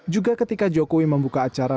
juga ketika jokowi membuka acara